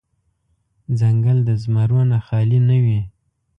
ځنګل د زمرو نه خالې نه وي.